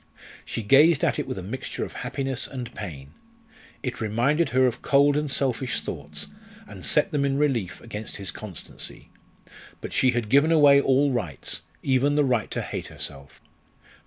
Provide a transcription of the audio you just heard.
She gazed at it with a mixture of happiness and pain. It reminded her of cold and selfish thoughts, and set them in relief against his constancy. But she had given away all rights even the right to hate herself.